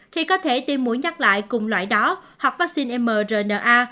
khi có thể tiêm mũi nhắc lại cùng loại đó hoặc vaccine mrna